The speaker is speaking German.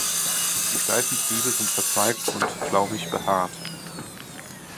Die steifen Triebe sind verzweigt und flaumig behaart.